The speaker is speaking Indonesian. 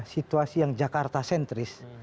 situasi yang jakarta sentris